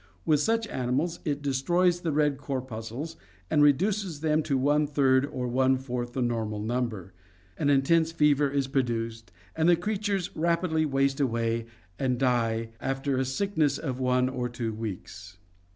With such animals it destroys the red cor puscles and reduces them to one third or one fourth the normal number. An intense fever is pro duced, and the creatures rapidly waste away and die after a sick ness of one or two weeks."